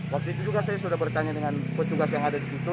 waktu itu juga saya sudah bertanya dengan petugas yang ada di situ